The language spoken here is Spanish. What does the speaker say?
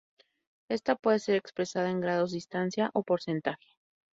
Esta puede ser expresada en grados, distancia o porcentaje.